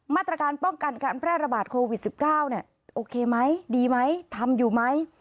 มาตรการป้องกันการแพร่ระบาดโควิด๑๙เนี่ยโอเคไหมดีไหมทำอยู่ไหม